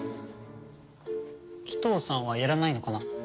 鬼頭さんはやらないのかな？